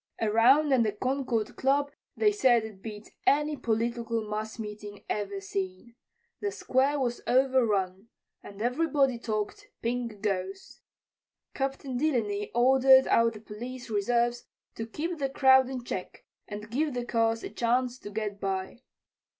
Around at the Concord Club they said it beat any political mass meeting ever seen. The Square was overrun, and everybody talked "Pink Ghost." Captain Delany ordered out the police reserves to keep the crowd in check and give the cars a chance to get by.